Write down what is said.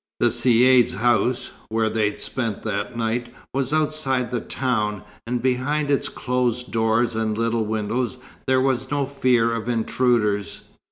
The Caïd's house, where they spent that night, was outside the town, and behind its closed doors and little windows there was no fear of intruders.